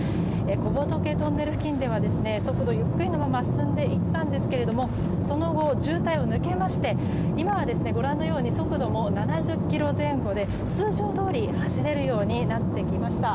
小仏トンネル付近では速度ゆっくりのまま進んでいったんですけどもその後、渋滞を抜けまして今はご覧のように速度も７０キロ前後で通常どおり走れるようになってきました。